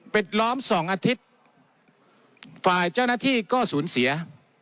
ล้อมสองอาทิตย์ฝ่ายเจ้าหน้าที่ก็สูญเสีย